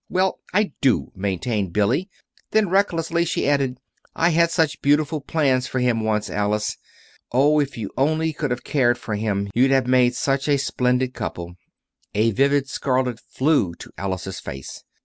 "Well, I do," maintained Billy; then, recklessly, she added: "I had such beautiful plans for him, once, Alice. Oh, if you only could have cared for him, you'd have made such a splendid couple!" A vivid scarlet flew to Alice's face.